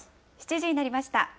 ７時になりました。